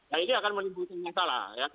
nah ini akan menimbulkan masalah